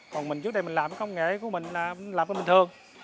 còn mình trước đây mình làm cái công nghệ của mình làm cho bình thường